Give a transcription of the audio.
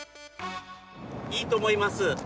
いいと思います。